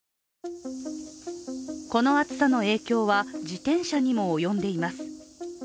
この暑さの影響は自転車にも及んでいます。